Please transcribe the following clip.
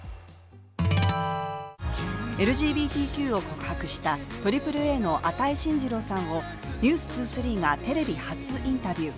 ＬＧＢＴＱを告白したＡＡＡの與真司郎さんを「ｎｅｗｓ２３」がテレビ初インタビュー。